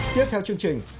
tiếp theo chương trình